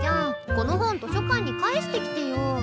この本図書館に返してきてよ。